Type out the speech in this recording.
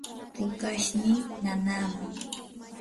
pukashnii nanaaman.